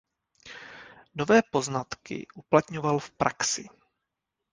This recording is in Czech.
Nové poznatky uplatňoval v praxi.